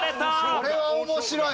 これは面白い！